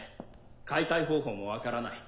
解体方法も分からない。